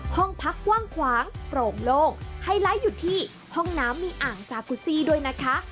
ห้องพักกว้างขวางโปร่งโล่งไฮไลท์อยู่ที่ห้องน้ำมีอ่างจากุซี่ด้วยนะคะ